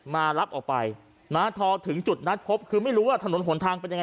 มารับออกไปนะพอถึงจุดนัดพบคือไม่รู้ว่าถนนหนทางเป็นยังไง